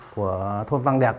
của thôn văn đẹp